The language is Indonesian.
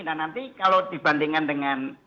nah nanti kalau dibandingkan dengan